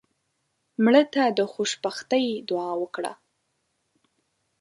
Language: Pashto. مړه ته د خوشبختۍ دعا وکړه